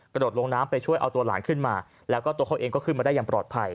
กระโดดลงน้ำไปช่วยเอาตัวหลานขึ้นมาแล้วก็ตัวเขาเองก็ขึ้นมาได้อย่างปลอดภัย